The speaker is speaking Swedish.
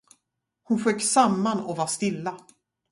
Hon sjönk samman och var stilla.